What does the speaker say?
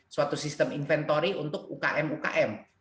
suatu sistem inventory untuk ukm ukm